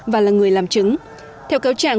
và là người làm chứng